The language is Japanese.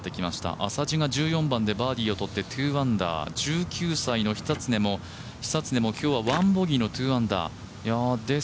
浅地が１４番でバーディーをとって２アンダー１９歳の久常も今日は１ボギーの２アンダー。